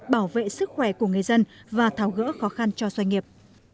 bảo vệ sức khỏe của người dân và tháo gỡ khó khăn cho doanh nghiệp